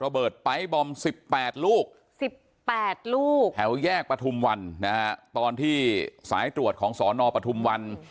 ไฟบอม๑๘ลูกแถวแยกปฐุมวันตอนที่สายตรวจของสนปฐุมวัน